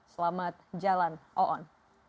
selamat jalan oon